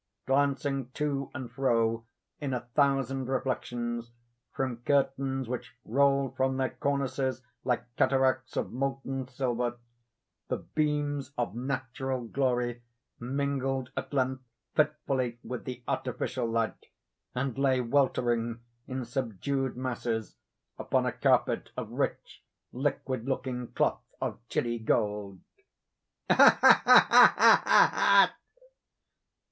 Glancing to and fro, in a thousand reflections, from curtains which rolled from their cornices like cataracts of molten silver, the beams of natural glory mingled at length fitfully with the artificial light, and lay weltering in subdued masses upon a carpet of rich, liquid looking cloth of Chili gold. "Ha! ha! ha!—ha! ha!